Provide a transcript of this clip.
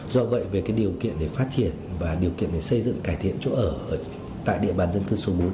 do vậy về cái điều kiện để phát triển và điều kiện để xây dựng cải thiện chỗ ở tại địa bàn dân cư số bốn